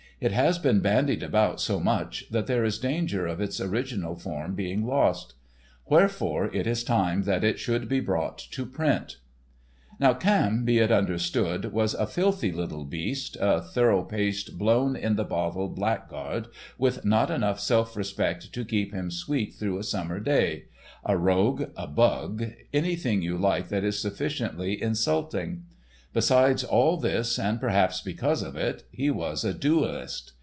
It has been bandied about so much that there is danger of its original form being lost. Wherefore it is time that it should be brought to print. Now Camme, be it understood, was a filthy little beast—a thorough paced, blown in the bottle blackguard with not enough self respect to keep him sweet through a summer's day—a rogue, a bug—anything you like that is sufficiently insulting; besides all this, and perhaps because of it, he was a duelist.